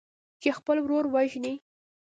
چې خپل ورور ووژني.